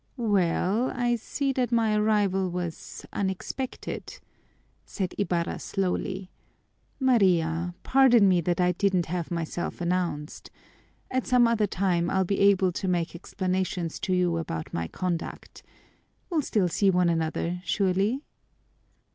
"Well, I see that my arrival was unexpected," said Ibarra slowly. "Maria, pardon me that I didn't have myself announced. At some other time I'll be able to make explanations to you about my conduct. We'll still see one another surely."